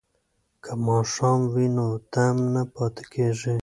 که ماښام وي نو دم نه پاتې کیږي.